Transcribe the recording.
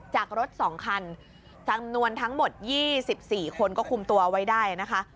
จากรถ๒คันจำนวนทั้งหมด๒๔คนก็คุมตัวไว้ได้นะคะ